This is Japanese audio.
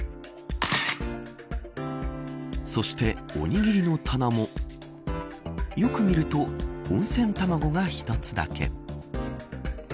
そしておにぎりの棚もよく見ると温泉卵が１つだけ。